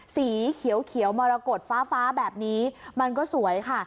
สีเขียวมรกฏฟ้าแบบนี้มันก็สวยค่ะ